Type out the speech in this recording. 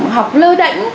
học lơ đẩy